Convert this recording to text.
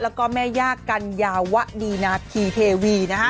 และแม่ยากันยาวะดีนาทีเทวี